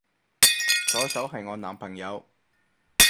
左手係我男朋友